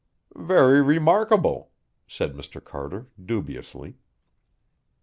"Very remarkable!" said Mr. Carter dubiously.